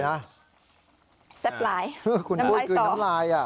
แล้วมอบปลากินมอบหลาย